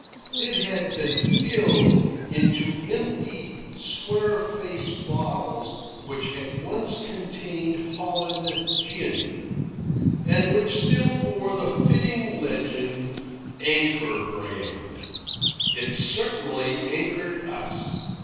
It had been filled into empty "square face" bottles which had once contained Holland gin, and which still bore the fitting legend "Anchor Brand." It certainly anchored us.